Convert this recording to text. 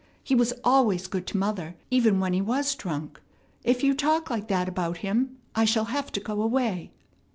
He was always good to mother, even when he was drunk. If you talk like that about him, I shall have to go away."